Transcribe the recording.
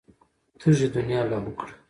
تږې دنيا لاهو کړه.